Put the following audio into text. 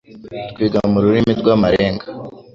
twiga mu rurimi rw'amarenga,